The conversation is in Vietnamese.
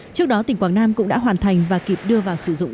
trước đó tỉnh quảng nam cũng đã hoàn thành và kịp đưa vào sử dụng